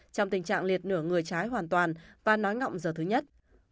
trong tình trạng liệt nửa người trái hoàn toàn và nói ngọng giờ thứ nhất